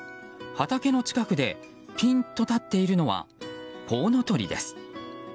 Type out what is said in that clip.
畑の近くでピンと立っているのはコウノトリです。